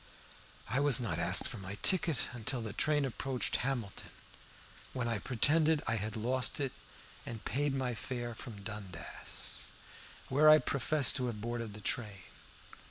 I was not asked for my ticket until the train approached Hamilton, when I pretended that I had lost it, and paid my fare from Dundas, where I professed to have boarded the train.